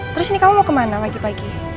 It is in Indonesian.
terus ini kamu mau kemana pagi pagi